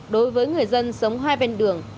đối với người dân sống hai bên đường